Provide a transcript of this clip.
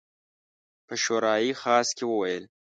په شورای خاص کې وویل.